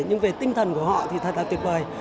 nhưng về tinh thần của họ thì thật là tuyệt vời